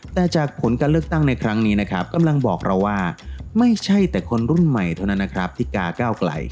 แต่จากผลการเลือกตั้งในครั้งนี้นะครับกำลังบอกเราว่าไม่ใช่แต่คนรุ่นใหม่เท่านั้นนะครับที่กาก้าวไกล